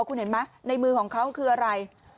คุณเห็นไหมในมือของเขาคืออะไร